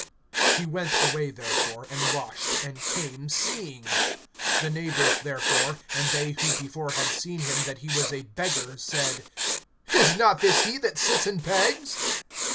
He went away therefore, and washed, and came seeing. (8)The neighbors therefore, and they who before had seen him that he was a beggar, said: Is not this he that sits and begs?